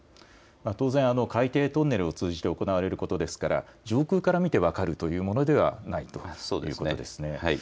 当然、海底トンネルを通じて行われることですから上空から見て分かるというものではない、ということですね。